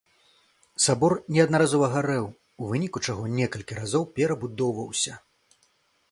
Сабор неаднаразова гарэў, у выніку чаго некалькі разоў перабудоўваўся.